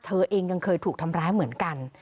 เธอเองยังเคยถูกทำร้ายเหมือนกัน